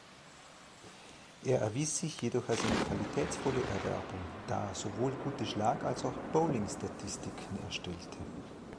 Er erwies sich jedoch als eine qualitätsvolle Erwerbung, da er sowohl gute Schlag- als auch Bowlingstatistiken erstellte.